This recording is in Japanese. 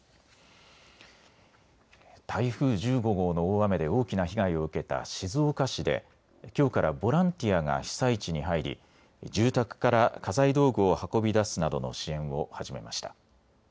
台風１５号の大雨で大きな被害を受けた静岡市できょうからボランティアが被災地に入り住宅から家財道具を運び出すなどの支援を始めました。